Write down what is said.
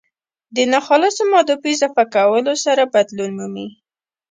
د ناخالصو مادو په اضافه کولو سره بدلون مومي.